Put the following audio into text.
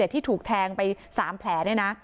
ที่ถูกแทงไป๓แผลเนี่ยนะ